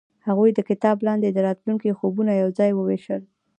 هغوی د کتاب لاندې د راتلونکي خوبونه یوځای هم وویشل.